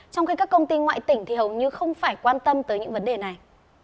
trong khi các công ty ngoại tỉnh thì hầu như không phải quan tâm tới những vấn đề này